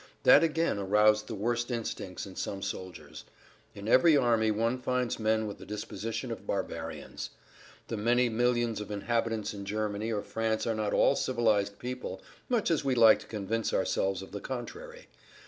That again aroused the worst instincts in some soldiers. In every army one finds men with the disposition of barbarians. The many millions of inhabitants in Germany or France are not all civilized people, much as we like to convince ourselves of the contrary.